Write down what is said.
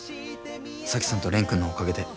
沙樹さんと蓮くんのおかげで。